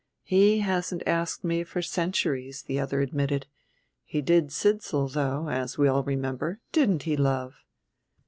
"He hasn't asked me for centuries," the other admitted. "He did Sidsall, though, as we all remember; didn't he, love?"